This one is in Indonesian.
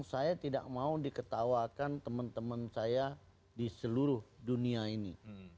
saya tidak mau diketawakan teman teman saya di seluruh dunia ini